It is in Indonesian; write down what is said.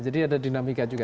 jadi ada dinamika juga